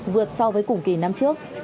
vượt so với cùng kỳ năm trước